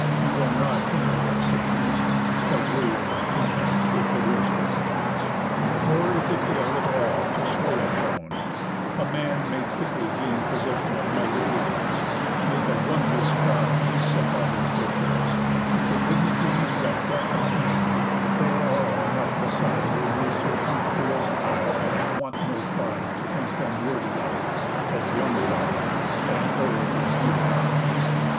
You are not he that sings: The rule of kingdoms is the worst of things. Nor is it ill, at all, to sway a throne; A man may quickly gain possession Of mighty riches, make a wondrous prize Set of his virtues; but the dignities That deck a king, there are enough beside In this circumfluous isle that want no pride To think them worthy of, as young as I, And old as you are.